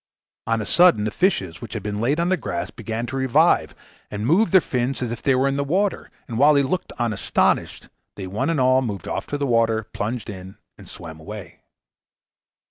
On a sudden, the fishes, which had been laid on the grass, began to revive and move their fins as if they were in the water; and while he looked on astonished, they one and all moved off to the water, plunged in, and swam away.